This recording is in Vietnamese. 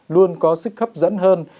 luôn có sức hấp dẫn hơn